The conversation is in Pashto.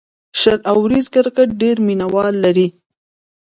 شل اوریز کرکټ ډېر مینه وال لري.